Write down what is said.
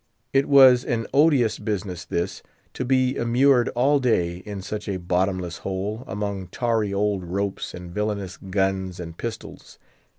It was an odious business this, to be immured all day in such a bottomless hole, among tarry old ropes and villainous guns and pistols.